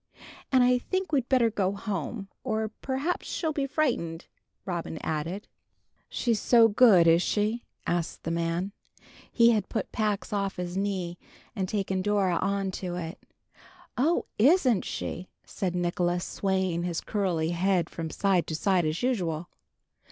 And I think we'd better go home, or perhaps she'll be frightened," Robin added. "She's so good, is she?" asked the old man. He had put Pax off his knee, and taken Dora on to it. "Oh, isn't she!" said Nicholas, swaying his curly head from side to side as usual.